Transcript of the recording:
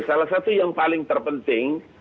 salah satu yang paling terpenting